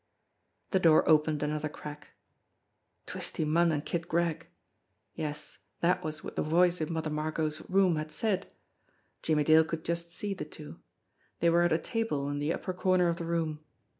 The door opened another crack. Twisty Munn and Kid Gregg! Yes, that was what the voice in Mother Margot's room had said. Jimmie Dale could just see the two. They were at a table in the upper corner of the room.